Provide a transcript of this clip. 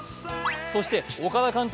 そして岡田監督